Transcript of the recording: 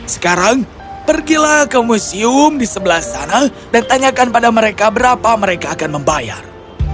sekarang pergilah ke museum di sebelah sana dan tanyakan pada mereka berapa mereka akan membayar